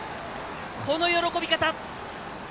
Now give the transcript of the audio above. この喜び方！